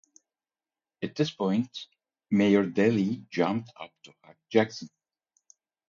At this point Mayor Daley jumped up to hug Jackson.